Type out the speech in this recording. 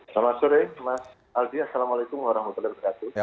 selamat sore mas aldi assalamualaikum warahmatullahi wabarakatuh